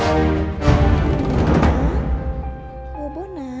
atau kita akan merindukan pemulih taman niaga